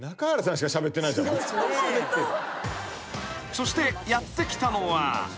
［そしてやって来たのは］